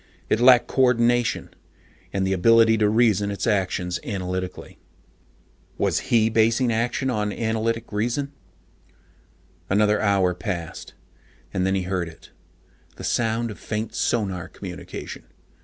It lacked coordination, and the ability to reason its actions analytically. Was he basing action on analytic reason? Another hour had passed. And then he heard it. The sound of faint sonar communication.